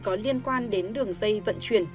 có liên quan đến đường dây vận chuyển